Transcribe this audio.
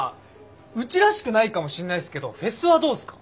うちらしくないかもしんないすけどフェスはどうすか？